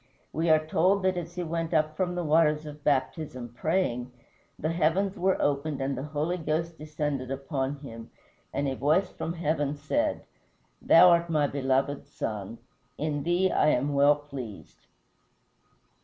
We are told that as he went up from the waters of baptism, praying, the heavens were opened and the Holy Ghost descended upon him, and a voice from heaven said, "Thou art my beloved Son, in thee I am well pleased."